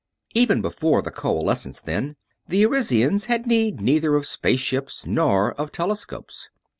Even before the Coalescence, then, the Arisians had need neither of space ships nor of telescopes.